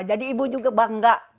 jadi ibu juga bangga